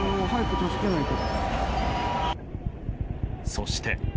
そして。